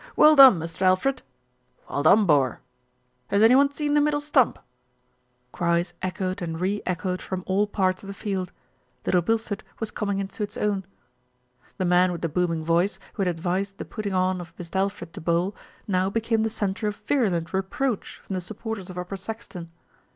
"Well done, Mist' Alfred." "Well done, bor." "Has any one seen the middle stump?" Cries echoed and re echoed from all parts of the field. Little Bilstead was coming into its own. SMITH BECOMES A POPULAR HERO 201 The man with the booming voice, who had advised the putting on of Mist' Alfred to bowl, now became the centre of virulent reproach from the supporters of Upper Saxton.